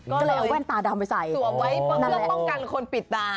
ก็เลยเอาแว่นตาดำไปใส่สวมไว้เพื่อป้องกันคนปิดตา